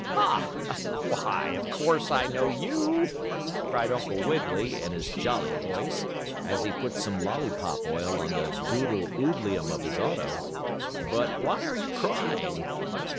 "Ha! Why, of course, I know you!" cried Uncle Wiggily, in his jolly voice, as he put some lollypop oil on the doodle oodleum of his auto. "But, why are you crying?"